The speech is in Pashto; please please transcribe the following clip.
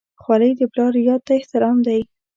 خولۍ د پلار یاد ته احترام دی.